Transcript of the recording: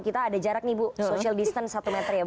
kita ada jarak nih bu social distance satu meter ya bu